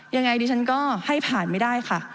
ยังไงดิฉันก็ให้ผ่านไม่ได้ค่ะ